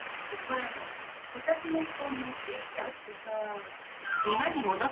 お母さんったらこたつの布団持ってっちゃってさ。